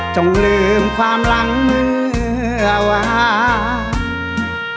จงลืมความหลังเมื่อวาน